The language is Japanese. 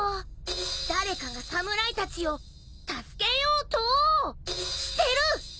誰かが侍たちを助けようとしてる！